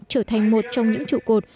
trở thành một trong những trụ cột